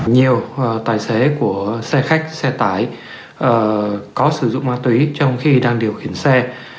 nhiều tài xế của xe khách xe tải có sử dụng ma túy trong khi đang điều khiển xe